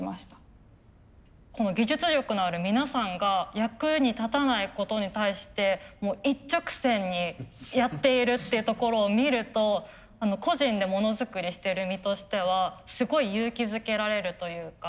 この技術力のある皆さんが役に立たないことに対して一直線にやっているっていうところを見ると個人でモノづくりしてる身としてはすごい勇気づけられるというか。